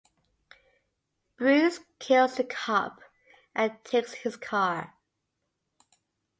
Bruce kills the cop and takes his car.